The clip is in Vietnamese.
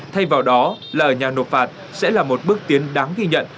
thay vào đó là ở nhà nộp phạt sẽ là một bước tiến đáng ghi nhận